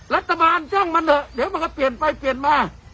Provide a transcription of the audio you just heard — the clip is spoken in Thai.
รัฐบาลช่องมันเถอะเดี๋ยวมันก็เปลี่ยนไปเปลี่ยนมา